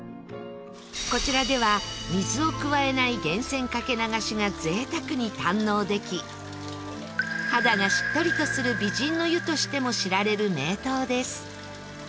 こちらでは水を加えない源泉かけ流しが贅沢に堪能でき肌がしっとりとする美人の湯としても知られる名湯です